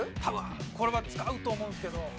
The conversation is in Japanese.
多分これは使うと思うんですけど。